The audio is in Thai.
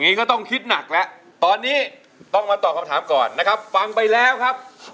ก็ต้องคิดหนักแล้วตอนนี้ต้องมาตอบคำถามก่อนนะครับฟังไปแล้วครับ